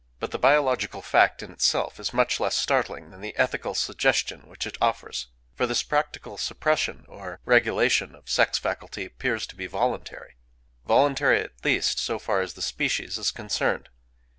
But the biological fact in itself is much less startling than the ethical suggestion which it offers;—for this practical suppression, or regulation, of sex faculty appears to be voluntary! Voluntary, at least, so far as the species is concerned.